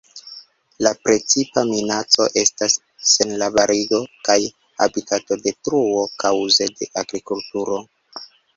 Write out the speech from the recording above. La precipa minaco estas senarbarigo kaj habitatodetruo kaŭze de agrikulturo.